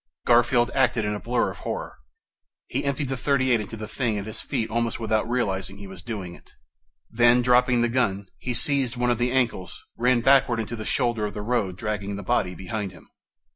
Garfield acted in a blur of horror. He emptied the .38 into the thing at his feet almost without realizing he was doing it. Then, dropping the gun, he seized one of the ankles, ran backwards to the shoulder of the road, dragging the body behind him.